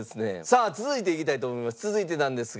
さあ続いていきたいと思います。